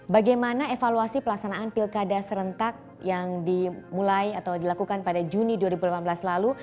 bagaimana evaluasi pelaksanaan pilkada serentak yang dimulai atau dilakukan pada juni dua ribu delapan belas lalu